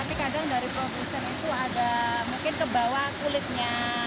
tapi kadang dari produksi itu ada mungkin kebawah kulitnya